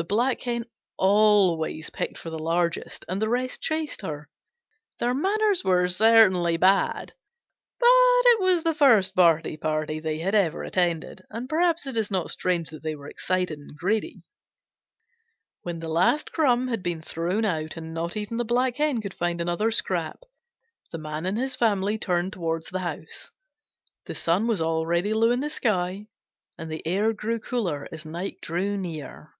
The Black Hen always picked for the largest, and the rest chased her. Their manners were certainly bad, but it was the first birthday party they had ever attended, and perhaps it is not strange that they were excited and greedy. When the last crumb had been thrown out and not even the Black Hen could find another scrap, the Man and his family turned toward the house. The sun was already low in the sky, and the air grew cooler as night drew near.